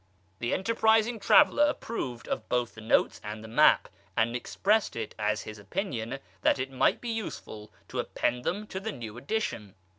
The enterprising traveller approved of both the notes and the map, and expressed it as his opinion that it might be useful to append them to the new edition.